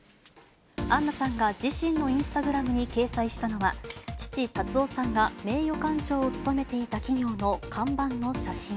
アンナさんが自身のインスタグラムに掲載したのは、父、辰夫さんが名誉館長を務めていた企業の看板の写真。